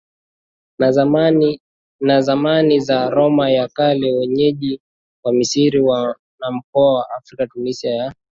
na zamani za Roma ya Kale Wenyeji wa Misri na mkoa wa AfrikaTunisia ya